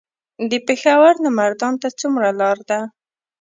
د پېښور نه مردان ته څومره لار ده؟